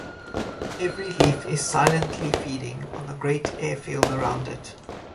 Every leaf is silently feeding on the great airfield around it.